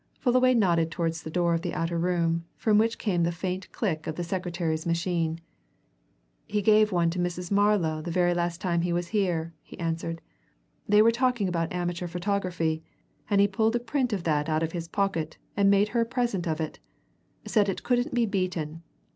Fullaway nodded towards the door of the outer room, from which came the faint click of the secretary's machine. "He gave one to Mrs. Marlow the very last time he was here." he answered. "They were talking about amateur photography, and he pulled a print of that out of his pocket and made her a present of it; said it couldn't be beaten.